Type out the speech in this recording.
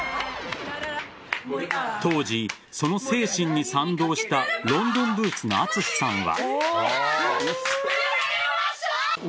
当時、その精神に賛同したロンドンブーツの淳さんは。